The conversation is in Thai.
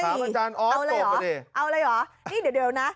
ถามอาจารย์ออสจบอ่ะเนี่ยเอาเลยหรอนี่เดี๋ยวนะ